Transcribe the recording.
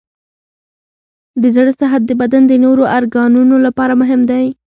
د زړه صحت د بدن د نورو ارګانونو لپاره مهم دی.